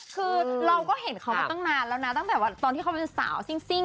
คือเราก็เห็นเขามาตั้งนานแล้วนะตั้งแต่ตอนที่เขาเป็นสาวซิ่ง